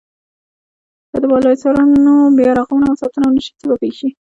که د بالا حصارونو بیا رغونه او ساتنه ونشي څه به پېښ شي.